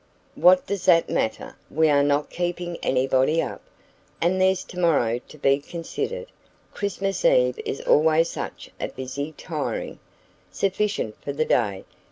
"What does that matter? We are not keeping anybody up." "And there's tomorrow to be considered. Christmas Eve is always such a busy, tiring " "Sufficient for the day.